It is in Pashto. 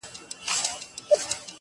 خدايه ته لوی يې.